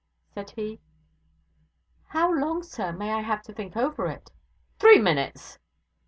said he. 'How long, sir, may I have to think over it?' 'Three minutes!'